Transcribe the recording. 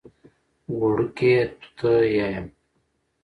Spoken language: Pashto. وړکیه! توته یایم.